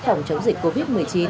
phòng chống dịch covid một mươi chín